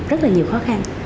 rất là nhiều khó khăn